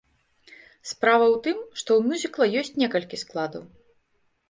Справа ў тым, што ў мюзікла ёсць некалькі складаў.